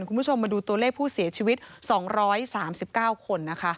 คุณผู้ชมมาดูตัวเลขผู้เสียชีวิต๒๓๙คนนะคะ